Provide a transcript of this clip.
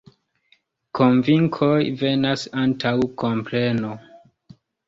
Konvinkoj venas antaŭ kompreno.